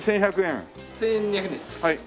１２００円です。